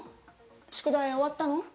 宿題終わったの？